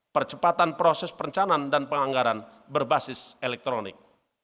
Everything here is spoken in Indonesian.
percepatan proses perencanaan dan penganggaran berbasis elektronik